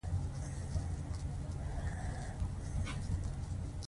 چې د يوې لارې د انتخاب نه مخکښې